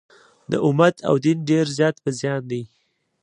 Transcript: د امت او دین ډېر زیات په زیان دي.